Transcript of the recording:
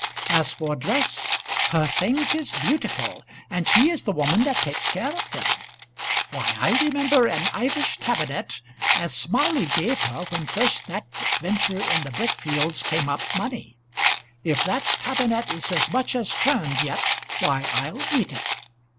As for dress, her things is beautiful, and she is the woman that takes care of 'em! Why, I remember an Irish tabinet as Smiley gave her when first that venture in the brick fields came up money; if that tabinet is as much as turned yet, why, I'll eat it.